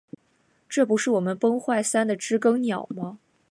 这不是我们崩坏三的知更鸟吗